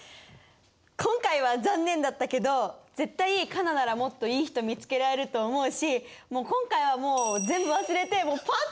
今回は残念だったけど絶対カナならもっといい人見つけられると思うしもう今回はイェイ！